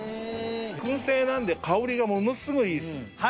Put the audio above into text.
燻製なんで香りがものすごいいいです。